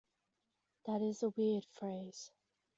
That is a weird phrase.